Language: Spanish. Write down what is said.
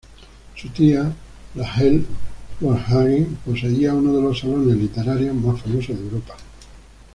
Su tía, Rahel Varnhagen, poseía uno de los salones literarios más famosos de Europa.